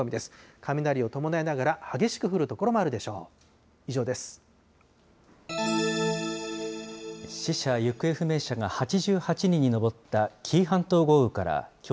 雷を伴いながら激しく降る所もあるでしょう。